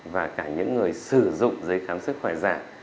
và cả những người sử dụng giấy khám sức khỏe giả